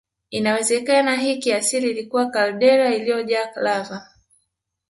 Inawezekana hii kiasili ilikuwa kaldera iliyojaa lava